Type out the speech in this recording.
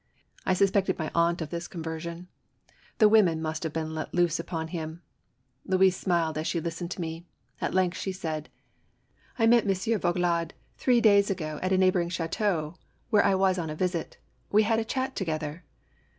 I suspected my aunt of this conversion. The women must have been let loose upon him. Louise smiled as she listened to me. At length, she said: " I met Monsieur de V augelade three days ago at a neighboring chateau, where I was on a visit. We had a chat together."